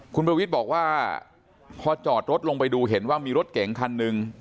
คุณประวิทย์บอกว่าพอจอดรถลงไปดูเห็นว่ามีรถเก๋งคันหนึ่ง